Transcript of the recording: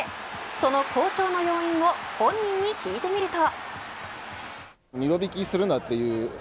その好調の要因を本人に聞いてみると。